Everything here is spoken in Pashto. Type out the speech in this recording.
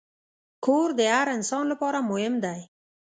کور د هر انسان لپاره مهم دی.